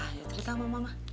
ah ya ternyata mama